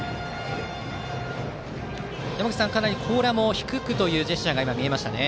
かなり高良も低くというジェスチャーが見えました。